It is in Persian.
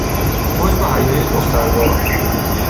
حجب و حیای دختروار